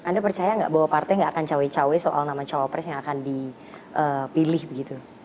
anda percaya nggak bahwa partai gak akan cawe cawe soal nama cawapres yang akan dipilih begitu